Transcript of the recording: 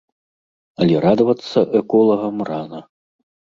Але радавацца эколагам рана.